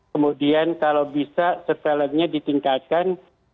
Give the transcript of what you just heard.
kemudian kalau bisa surveillance nya ditingkatkan